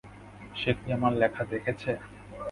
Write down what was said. সে কি আমার লেখা দেখেছে?